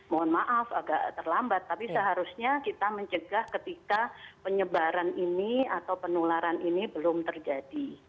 mohon maaf agak terlambat tapi seharusnya kita mencegah ketika penyebaran ini atau penularan ini belum terjadi